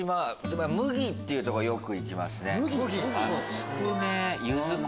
麦っていうとこよく行きますね。